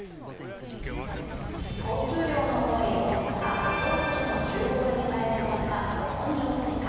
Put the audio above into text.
交通量の多い大阪・御堂筋の中央分離帯で育ったど根性スイカ。